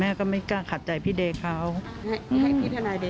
แม่ตอบฉันเลยว่าแม่ไม่รักทนายเดชาแล้วลองฟังดูนะคะ